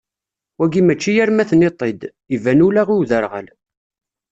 Wagi mačči arma tenniḍ-t-id, iban ula i uderɣal.